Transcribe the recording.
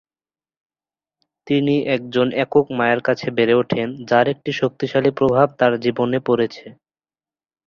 তিনি একজন একক মায়ের কাছে বেড়ে ওঠেন যার একটি শক্তিশালী প্রভাব তার জীবনে পড়েছে।